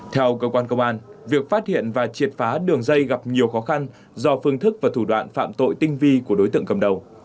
theo cơ quan công an việc phát hiện và triệt phá đường dây gặp nhiều khó khăn do phương thức và thủ đoạn phạm tội tinh vi của đối tượng cầm đầu